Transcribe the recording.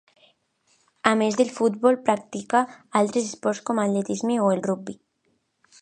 A més del futbol, practicà altres esports com l'atletisme o el rugbi.